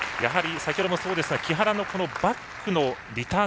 先ほどもそうですが木原のバックのリターン